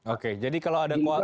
oke jadi kalau ada kuasa